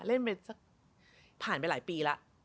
เล่นไปสักผ่านไปหลายปีแล้ว